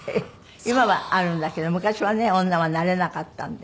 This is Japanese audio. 今はあるんだけど昔はね女はなれなかったんで。